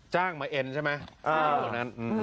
จ้างมาเอ็นใช่ไหม